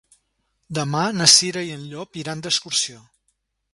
Demà na Cira i en Llop iran d'excursió.